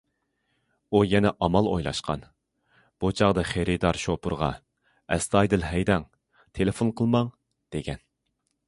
ئۇ يەنە ئامال ئويلاشقان، بۇ چاغدا خېرىدار شوپۇرغا:« ئەستايىدىل ھەيدەڭ، تېلېفون قىلماڭ» دېگەن.